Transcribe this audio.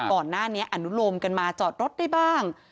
ก่อนหน้านี้อนุโลมกันมาจอดรถได้บ้าง